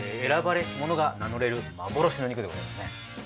選ばれしものが名乗れる幻の肉でございますね。